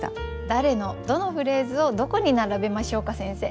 誰のどのフレーズをどこに並べましょうか先生。